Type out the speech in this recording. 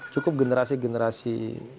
cukup generasi generasi dua puluh tiga